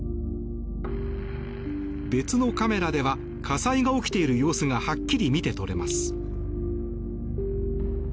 別のカメラでは火災が起きている様子がはっきり見て取れます。